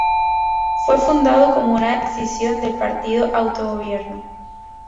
Fue fundado como una escisión del Partido del Autogobierno.